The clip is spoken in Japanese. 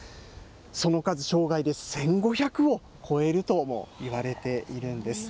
その数、生涯で１５００を超えるともいわれているんです。